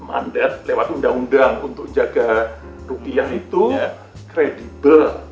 mandat lewat undang undang untuk jaga rupiah itu kredibel